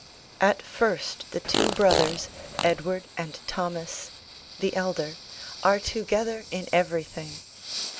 At first the two brothers, Edward and Thomas (the elder) are together in everything.